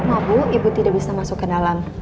mabuk ibu tidak bisa masuk ke dalam